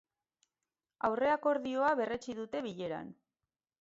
Aurreakordioa berretsi dute bileran.